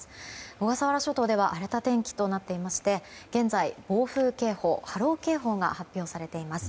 小笠原諸島では荒れた天気となっていまして現在、暴風警報波浪警報が発表されています。